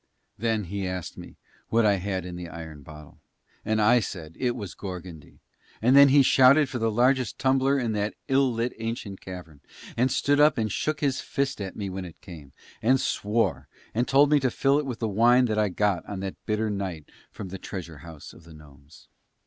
Then he asked me what I had in the iron bottle, and I said it was Gorgondy; and then he shouted for the largest tumbler in that ill lit ancient tavern, and stood up and shook his fist at me when it came, and swore, and told me to fill it with the wine that I got on that bitter night from the treasure house of the gnomes.